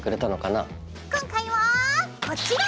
今回はこちら！